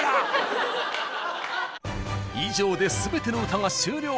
以上で全ての歌が終了。